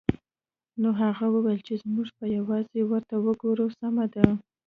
نو هغه وویل چې موږ به یوازې ورته وګورو سمه ده